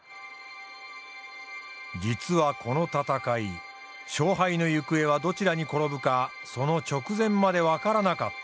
実はこの戦い勝敗の行方はどちらに転ぶかその直前まで分からなかった。